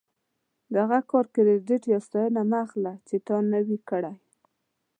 د هغه کار کریډیټ یا ستاینه مه اخله چې تا نه وي کړی.